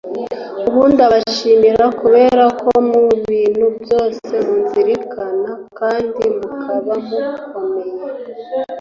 Ubu ndabashimira kubera ko mu bintu byose munzirikana kandi mukaba mukomeye